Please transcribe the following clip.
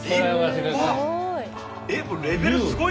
えすごい！